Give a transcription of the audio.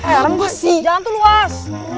jalan tuh luas